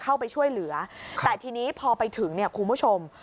เข้าไปช่วยเหลือแต่ทีนี้พอไปถึงเนี่ยคุณผู้ชม